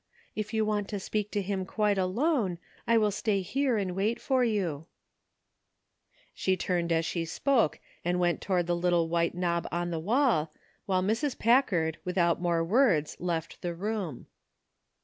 If you want to speak to him quite alone I will stay here and wait for you." BORROWED TROUBLE. 233 She turned as she spoke and went toward the little white knob on the wall, while Mrs. Pack ard, without more words, left the room.